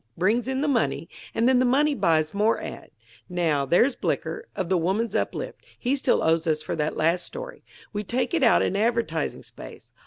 brings in the money, and then the money buys more ad. Now, there's Blicker, of the Woman's Uplift; he still owes us for that last story we take it out in advertising space.